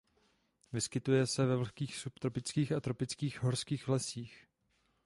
Vyskytuje se ve vlhkých subtropických a tropických horských lesích.